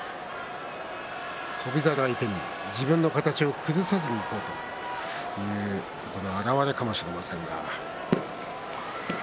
翔猿相手に自分の形を崩さずにいこうということの表れかもしれませんが。